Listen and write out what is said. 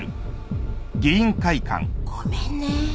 ごめんね。